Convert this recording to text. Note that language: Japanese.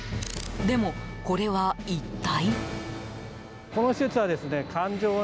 でも、これは一体？